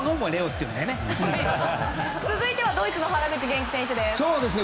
続いてはドイツの原口元気選手です。